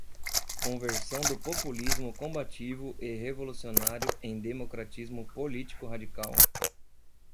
conversão do populismo combativo e revolucionário em democratismo político-radical